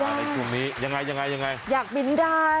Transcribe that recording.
หละสุดท้ายจะอยากบินได้